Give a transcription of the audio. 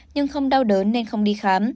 nhưng không đau đớn nên không đi khám